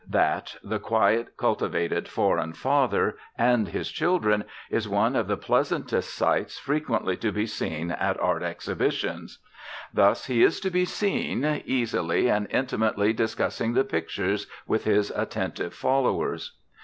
That, the quiet, cultivated, foreign father and his children, is one of the pleasantest sights frequently to be seen at art exhibitions. Thus he is to be seen, easily and intimately discussing the pictures with his attentive followers.